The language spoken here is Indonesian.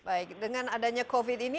baik dengan adanya covid ini